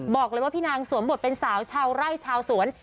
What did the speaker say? บอกเลยว่าพี่นางสวมบทเป็นสาวชาวไร่ชาวสวน